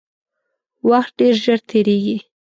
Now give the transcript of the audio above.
وخت ډیر ژر تیریږي